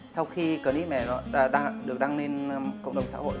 sau khi clip này đang được đăng lên cộng đồng xã hội